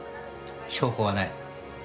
証拠はない。